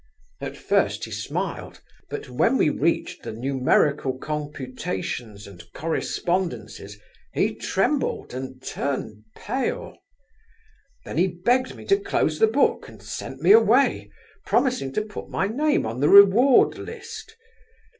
At first he smiled, but when we reached the numerical computations and correspondences, he trembled, and turned pale. Then he begged me to close the book, and sent me away, promising to put my name on the reward list.